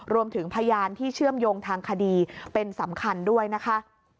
รวมถึงพยานที่เชื่อมโยงทางคดีเป็นสำคัญด้วยนะคะ